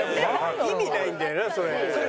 意味ないんだよなそれ。